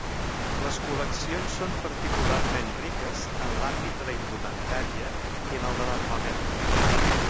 Les col·leccions són particularment riques en l'àmbit de la indumentària i en el de l'armament.